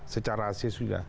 secara asis sudah